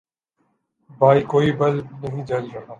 بھائی کوئی بلب نہیں جل رہا